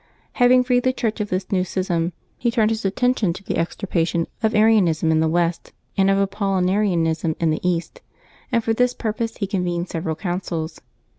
Having freed the Church of this new schism, he turned his attention to the extirpation of Arianism in the West and of Apollinarianism in the East, and for this purpose December 12] LIVES OF TEE SAINTS 377 he conyened several councils.